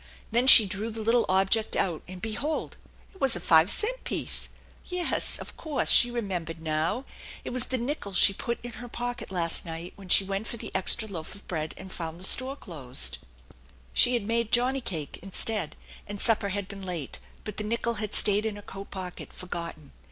Then she drew the little object out, and behold it was a five cent piece ! Yes, of course, she remembered now. It was the nickel she put in her pocket last night when she rent for the extra loaf of bread and found the store closed 2 18 THE ENCHANTED BARN She had made johnny cake instead, and supper had been late; but the nickel had stayed in her coat pocket forgotten.